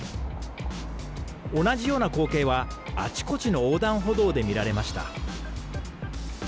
同じような光景は、あちこちの横断歩道で見られました。